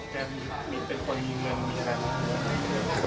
แกเป็นคนมีเงินมีอะไรครับ